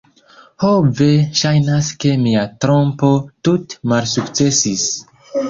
Ho ve, ŝajnas ke mia trompo tute malsukcesis.